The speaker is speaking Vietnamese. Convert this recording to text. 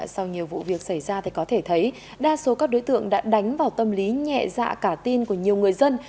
sau nhiều vụ việc xảy ra thì có thể thấy đa số các đối tượng đã đánh vào tâm lý nhẹ dạ cả tin của nhiều người dân